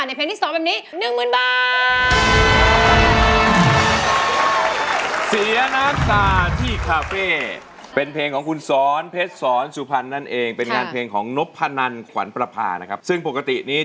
ในเพลงที่๒แบบนี้